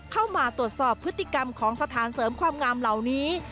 เข้ามาตรวจสอบพฤติกรรมของสถานเสริมความงามเหล่านี้